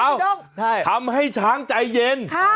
ทำให้ช้างใจเย็น